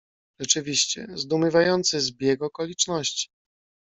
"Rzeczywiście, zdumiewający zbieg okoliczności!"